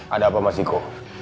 ada apa marsiku